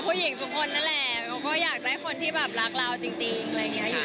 ผู้หญิงทุกคนนั่นแหละเขาก็อยากได้คนที่แบบรักเราจริงอะไรอย่างนี้